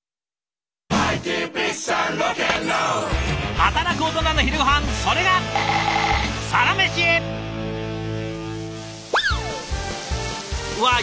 働くオトナの昼ごはんそれがわあ